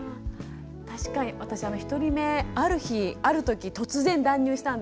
確かに私１人目ある日あるとき突然断乳したんですね。